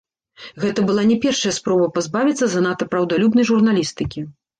Гэта была не першая спроба пазбавіцца занадта праўдалюбнай журналісткі.